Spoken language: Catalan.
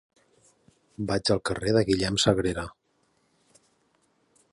Vaig al carrer de Guillem Sagrera.